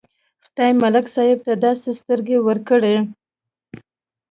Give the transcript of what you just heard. خدای ملک صاحب ته داسې سترګې ورکړې.